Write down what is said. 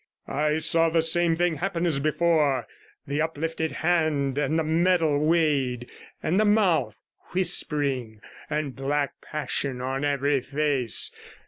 I saw the same thing happen as before; the uplifted hand and the metal weighed, and the mouth whispering, and black passion on every face.